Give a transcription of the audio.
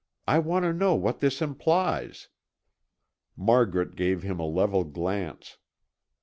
I want to know what this implies." Margaret gave him a level glance.